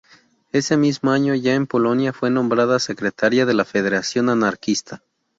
Ese mismo año, ya en Polonia, fue nombrada secretaria de la Federación Anarquista.